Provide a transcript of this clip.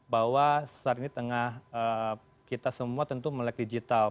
bahwa saat ini tengah kita semua tentu melek digital